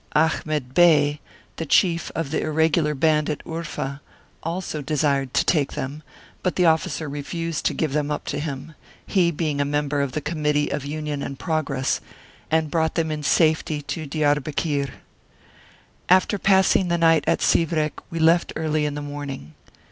Ahmed Bey, the Chief of the Irregular band at Urfa, also desired to take them, but the officer refused to give them up to him he being a mem ber of the Committee of Union and Progress and brought them in safety to Diarbekir. After passing the night at Sivrek we left early in the morning.